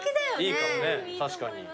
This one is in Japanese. いいかもね確かに。